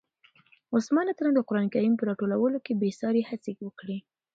عثمان رض د قرآن کریم په راټولولو کې بې ساري هڅې وکړې.